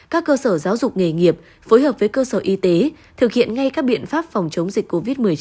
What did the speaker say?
các cơ sở giáo dục nghề nghiệp phối hợp với cơ sở y tế thực hiện ngay các biện pháp phòng chống dịch covid một mươi chín